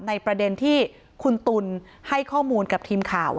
ในประเด็นที่คุณตุ๋นให้ข้อมูลกับทีมข่าว